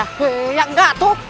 he ya enggak atuk